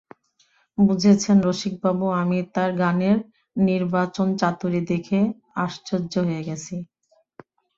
বুঝেছেন রসিকবাবু, আমি তাঁর গানের নির্বাচনচাতুরী দেখে আশ্চর্য হয়ে গেছি।